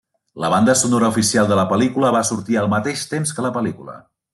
La banda sonora oficial de la pel·lícula va sortir al mateix temps que la pel·lícula.